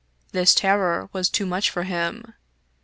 This terror was too much for him.